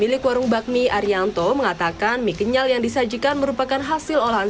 milik warung bakmi arianto mengatakan mie kenyal yang disajikan merupakan hasil olahan